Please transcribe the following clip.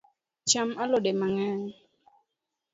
Cham alode mang’eny